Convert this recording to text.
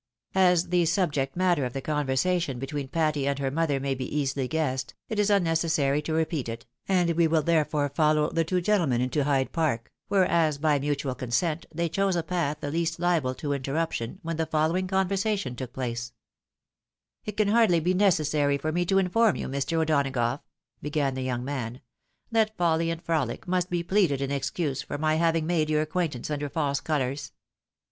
As the subject matter of the conversation between Patty and her mother may be easily guessed, it is unnecessary to repeat it, and we will therefore follow the two gentlemen into Hyde Park, where, as by mutual consent, they chose a path the least liable to interruption, when the following conversation took place :— "It can hardly be necessary for me to inform you, Mr. O'Donagough," began the young man, " that foUy and frolic must be pleaded in excuse for my having made your acquaint ance under false colours."